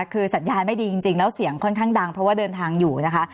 คือสัญญาณไม่ดีจริงแล้วเสียงค่อนข้างดังเพราะว่าเดินทางอยู่นะคะ